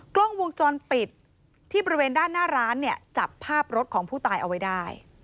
กล้องวงจรปิดที่บริเวณด้านหน้าร้านเนี่ยจับภาพรถของผู้ตายเอาไว้ได้